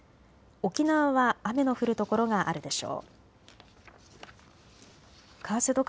沖縄は雨の降る所があるでしょう。